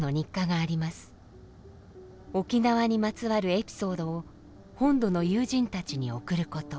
沖縄にまつわるエピソードを本土の友人たちに送ること。